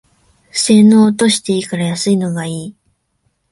性能落としていいから安いのがいい